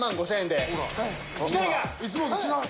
いつもと違う。